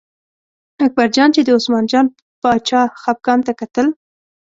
اکبرجان چې د عثمان جان باچا خپګان ته کتل.